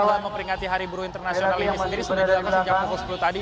kalau memperingati hari buruh internasional ini sendiri sudah dilakukan sejak pukul sepuluh tadi